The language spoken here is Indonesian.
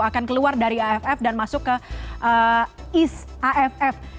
akan keluar dari aff dan masuk ke east aff